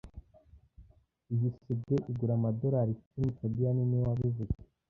Iyo CD igura amadorari icumi fabien niwe wabivuze